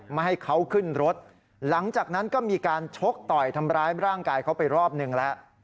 ไม่ให้เขาขึ้นรถหลังจากนั้นก็มีการชกต่อยทำร้ายร่างกายเขาไปรอบหนึ่งแล้ว